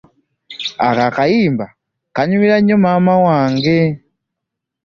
Ako akayimba kanyumira nnyo maama wange.